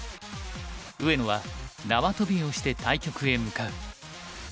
上野は縄跳びをして対局へ向かう。